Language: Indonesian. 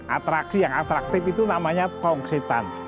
atraksi yang atraktif itu namanya tong setan